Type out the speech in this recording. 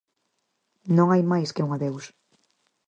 Non hai máis que un adeus.